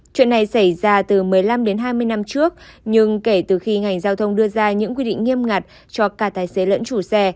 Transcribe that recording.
chuyện này xảy ra từ một mươi năm đến hai mươi năm trước nhưng kể từ khi ngành giao thông đưa ra những quy định nghiêm ngặt cho cả tài xế lẫn chủ xe